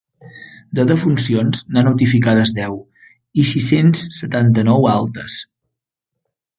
De defuncions, n’ha notificades deu, i sis-cents setanta-nou altes.